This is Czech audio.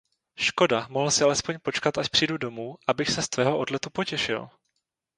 Škoda, mohl jsi alespoň počkat, až přijdu domů, abych se z tvého odletu potěšil!